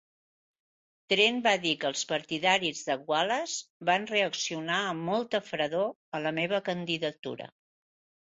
Treen va dir que els partidaris de Wallace van reaccionar amb molta fredor a la meva candidatura.